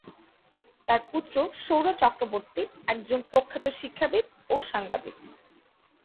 তাঁর পুত্র সৌর চক্রবর্তী একজন প্রখ্যাত শিক্ষাবিদ ও সাংবাদিক।